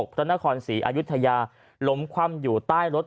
พระนครศรีอายุทยาล้มคว่ำอยู่ใต้รถ